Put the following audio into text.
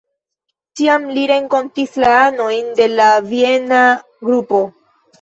Tiam li renkontis la anojn de la Viena Grupo.